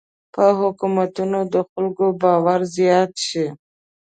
په حکومتونو د خلکو باور زیات شي.